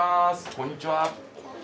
こんにちは！